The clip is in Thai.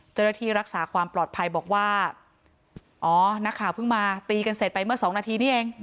เจ้าหน้าที่รักษาความปลอดภัยบอกว่าอ๋อนักข่าวเพิ่งมาตีกันเสร็จไปเมื่อสองนาทีนี้เอง